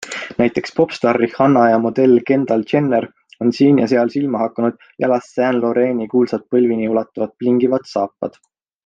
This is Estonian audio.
Näiteks popstaar Rihanna ja modell Kendall Jenner on siin ja seal silma hakanud, jalas Saint Laurent'i kuulsad põlvini ulatuvaid blingivad saapad.